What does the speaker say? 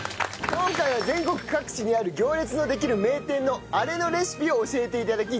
今回は全国各地にある行列のできる名店のアレのレシピを教えて頂き